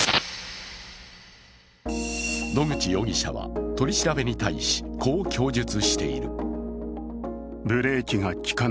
野口容疑者は取り調べに対し、こう供述している。